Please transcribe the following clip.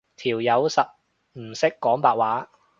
條友實唔識講白話